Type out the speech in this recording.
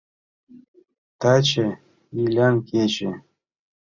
Таче Илян кече.